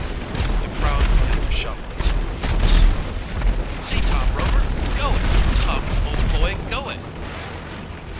The crowd began to shout itself hoarse. "See Tom Rover! Go it, Tom, old boy, go it!"